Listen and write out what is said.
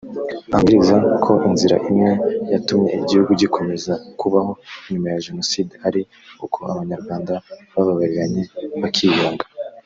ambwira ko inzira imwe yatumye igihugu gikomeza kubaho nyuma ya Jenoside ari uko Abanyarwanda bababariranye bakiyunga